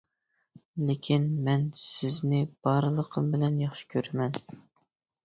لېكىن مەن سىزنى بارلىقىم بىلەن ياخشى كۆرىمەن.